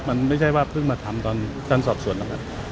มันไม่ใช่ว่าเพิ่งมาทำตอนการสอบสวนหรอกครับ